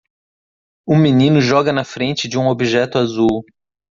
Um menino joga na frente de um objeto azul.